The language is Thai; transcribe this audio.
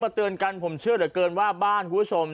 เตือนกันผมเชื่อเหลือเกินว่าบ้านคุณผู้ชม